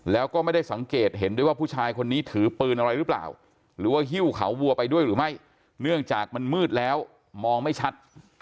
แล้วก็ไม่ได้สังเกตเห็นด้วยว่าผู้ชายคนนี้ถือปืนอะไรหรือเปล่าหรือว่าฮิ้วเขาวัวไปด้วยหรือไม่เนื่องจากมันมืดแล้วมองไม่ชัด